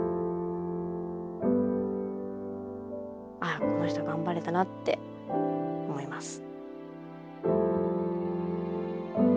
ああこの人がんばれたなって思います。